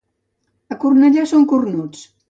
A Cornellà són cornuts.